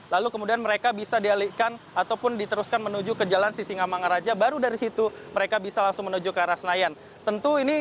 lalu kemudian mereka bisa dialihkan ataupun diteruskan menuju ke jalan sisingamangaraja baru dari situ mereka bisa langsung menuju ke arah senayan